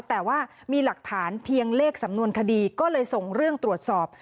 แต่ว่ามีหลักฐานเพียงเลขสำนวนคดีก็เลยส่งเรื่องตรวจสอบ